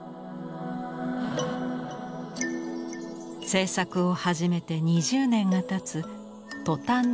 制作を始めて２０年がたつ「トタンに鎹」。